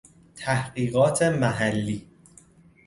تحقیقات محلی